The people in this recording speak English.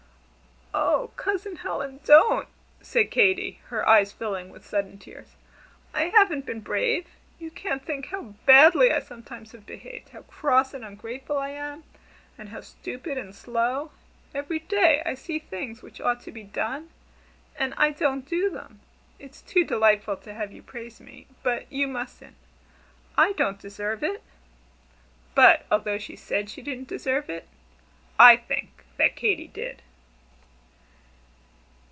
'" "Oh, Cousin Helen, don't!" said Katy, her eyes filling with sudden tears. "I haven't been brave. You can't think how badly I sometimes have behaved how cross and ungrateful I am, and how stupid and slow. Every day I see things which ought to be done, and I don't do them. It's too delightful to have you praise me but you mustn't. I don't deserve it." But although she said she didn't deserve it I think that Katy did!